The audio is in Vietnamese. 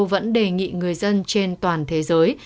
vẫn đề nghị người dân trên toàn thế giới